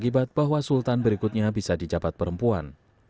bahwa sultan berikutnya bisa di jabat perempuan